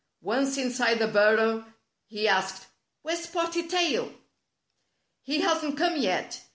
Once inside the burrow, he asked: "Where's Spotted Tail?" "He hasn't come yet.